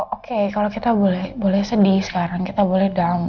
oke kalau kita boleh sedih sekarang kita boleh dong